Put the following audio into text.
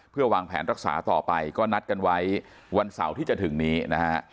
เพื่อวางแผนรักษาต่อไปก็นัดกันไว้วันเสาร์ที่จะถึงนี้นะฮะ